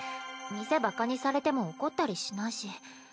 店バカにされても怒ったりしないし。